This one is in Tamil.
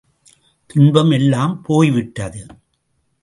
துன்பம் எல்லாம் போய் விட்டது.